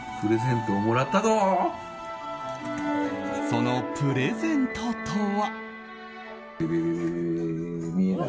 そのプレゼントとは。